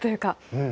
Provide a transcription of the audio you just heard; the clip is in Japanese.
うん。